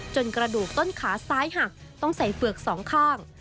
กระดูกต้นขาซ้ายหักต้องใส่เฝือกสองข้าง